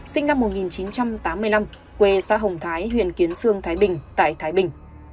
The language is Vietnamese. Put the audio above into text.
sinh năm một nghìn chín trăm tám mươi năm quê xã hồng thái huyện kiến sương thái bình tại thái bình